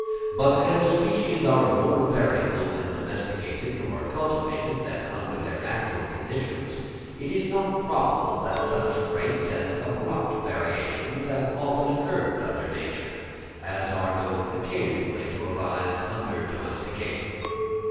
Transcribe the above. But as species are more variable when domesticated or cultivated than under their natural conditions, it is not probable that such great and abrupt variations have often occurred under nature, as are known occasionally to arise under domestication.